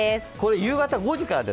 夕方５時からです